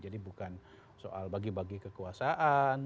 jadi bukan soal bagi bagi kekuasaan